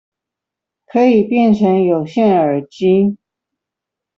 可以變成有線耳機